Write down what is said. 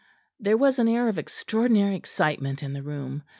There was an air of extraordinary excitement in the room.